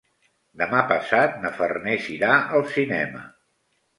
Demà passat na Farners irà al cinema.